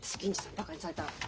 バカにされたら。